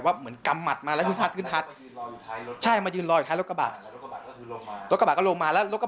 ผมไม่เห็นผมเห็นเขาขึ้นทัดแบบผู้ชายเรียกเปิดประตูลงมาแล้วขึ้นทัด